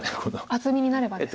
厚みになればですか？